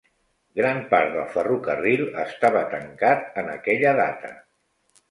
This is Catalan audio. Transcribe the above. Gran part del ferrocarril estava tancat en aquella data.